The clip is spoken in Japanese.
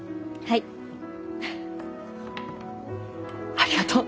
ありがとう！